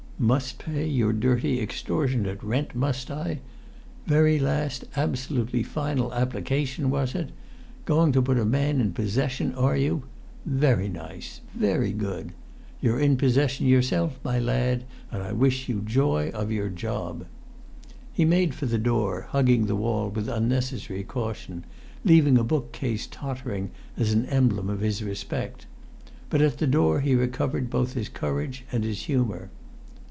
Must pay your dirty extortionate rent, must I? Very last absolutely final application, was it? Going to put a man in possession, are you? Very nice very good! You're in possession yourself, my lad, and I wish you joy of your job!" He made for the door, hugging the wall with unnecessary caution, leaving a bookcase tottering as an emblem of his respect. But at the door he recovered both his courage and his humour.